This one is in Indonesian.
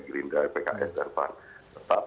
gerindra pks dan pan tetap